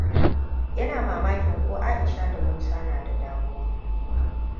Ina mamakin ko Aisha da Musa na da damuwa.